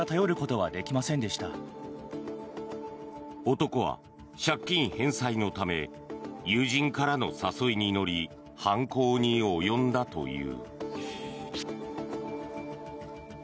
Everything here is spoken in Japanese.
男は借金返済のため友人からの誘いに乗り犯行に及んだという。